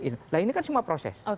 nah ini kan semua proses